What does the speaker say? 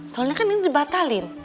soalnya kan ini dibatalin